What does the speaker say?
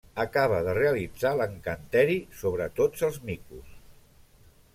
Acaba de realitzar l'encanteri sobre tots els micos.